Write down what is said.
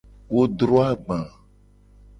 Wo dro agba.